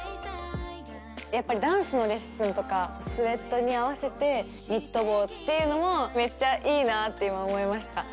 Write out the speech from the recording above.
やっぱりダンスのレッスンとかスエットに合わせてニット帽っていうのもめっちゃいいなぁって今思いました。